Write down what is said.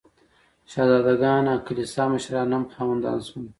شهزاده ګان او کلیسا مشران هم خاوندان شول.